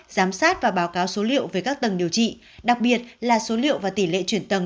giám sát và báo cáo số liệu về các tầng điều trị đặc biệt là số liệu và tỷ lệ chuyển tầng